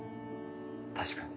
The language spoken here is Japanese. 確かに。